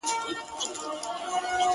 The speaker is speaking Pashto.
لکه قام وي د ټپوس او د بازانو!!